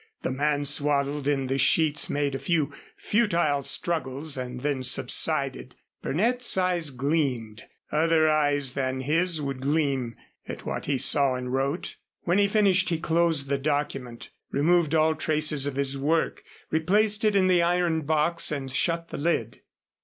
The man swaddled in the sheets made a few futile struggles and then subsided. Burnett's eyes gleamed. Other eyes than his would gleam at what he saw and wrote. When he finished he closed the document, removed all traces of his work, replaced it in the iron box and shut the lid.